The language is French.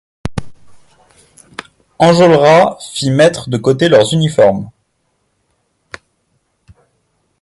Enjolras fit mettre de côté leurs uniformes.